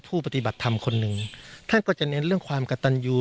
ปฏิบัติธรรมคนหนึ่งท่านก็จะเน้นเรื่องความกระตันยู